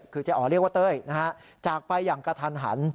คือเจ๊อ๋อเรียกว่าเต้ยนะฮะจากไปอย่างกระทันหัน